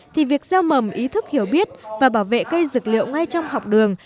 thì việc gieo mầm ý thức hiểu biết và bảo vệ cây dược liệu ngay trong học đường